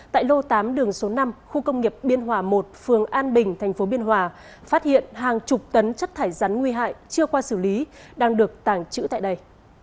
tại lô tám đường số năm khu công nghiệp biên hòa một phường an bình tp biên hòa phát hiện hàng chục tấn chất thải rắn nguy hại chưa qua xử lý đang được tàng trữ tại đây